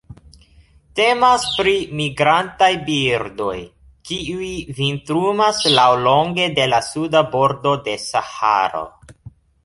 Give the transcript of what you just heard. Temas pri migrantaj birdoj, kiuj vintrumas laŭlonge de la suda bordo de Saharo.